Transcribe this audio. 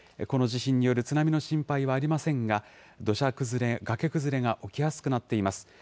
この地震による津波の心配はありませんが、土砂崩れ、崖崩れが起きやすくなっています。